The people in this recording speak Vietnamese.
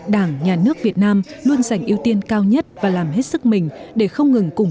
đảng nhà nước việt nam luôn giành ưu tiên cao nhất và làm hết sức mình để không ngừng cố gắng